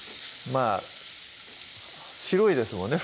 まぁ白いですもんね